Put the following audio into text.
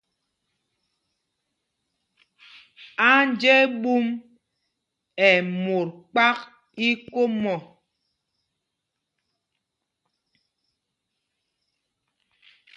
Anjeɓúm ɛ́ mot kpák íkom ɔ̂.